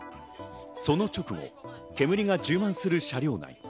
その直後、煙が充満する車両内。